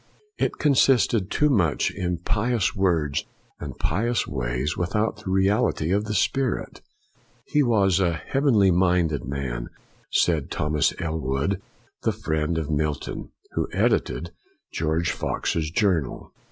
It con sisted too much in pious words and pious ways, without the reality of the spirit. " He was a heavenly minded man," said Thomas Ellwood, the friend of Mil ton, who edited George Fox's " Journal.'